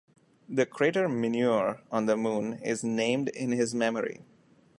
The crater Mineur on the Moon is named in his memory.